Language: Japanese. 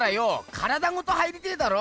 体ごと入りてえだろ。